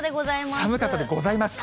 寒かったでございますと？